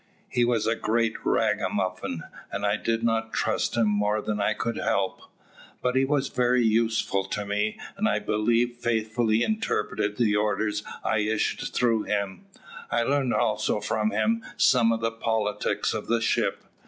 "He was a great ragamuffin, and I did not trust him more than I could help; but he was very useful to me, and I believe faithfully interpreted the orders I issued through him. I learned also from him some of the politics of the ship.